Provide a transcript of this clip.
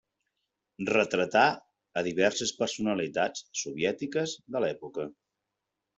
Retratà a diverses personalitats soviètiques de l'època.